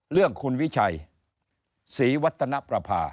เรื่องคุณวิชัยศรีวัฒนประภา